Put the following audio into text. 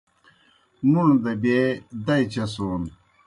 مُوݨ دہ بیے دئی چسون